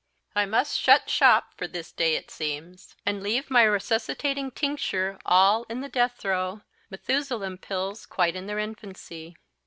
I must shut shop for this day, it seems, and leave my resuscitating tincture all in the deadthraw Methusalem pills quite in their infancy.